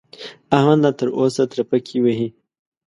احمد لا تر اوسه ترپکې وهي.